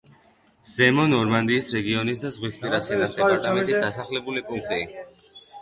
ზემო ნორმანდიის რეგიონის და ზღვისპირა სენას დეპარტამენტის დასახლებული პუნქტი.